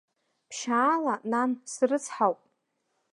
Ԥшьаала, нан, срыцҳауп!